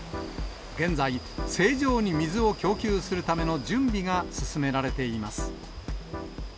現在、正常に水を供給するための準備が進められています。